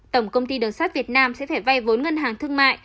tổng công ty đường sắt việt nam sẽ phải vay vốn ngân hàng thương mại